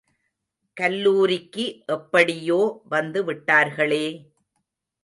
கல்லூரிக்கு எப்படியோ வந்துவிட்டார்களே!